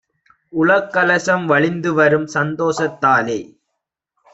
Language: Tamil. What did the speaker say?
உளக்கலசம் வழிந்துவரும் சந்தோஷத் தாலே